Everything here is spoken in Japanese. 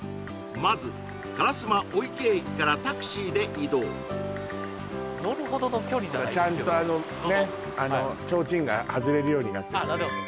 まず烏丸御池駅からタクシーで移動乗るほどの距離じゃないですけどちゃんとちょうちんが外れるようになってるんだね